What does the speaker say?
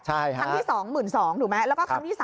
ครั้งที่๒๒๐๐ถูกไหมแล้วก็ครั้งที่๓